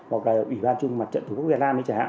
ủy ban trung ương mặt trận thủ quốc việt nam